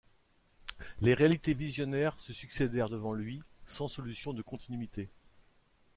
Les réalités visionnaires se succédèrent devant lui, sans solution de continuité.